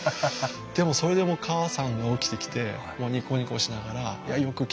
でもそれでも母さんが起きてきてニコニコしながらよく来てくれたって。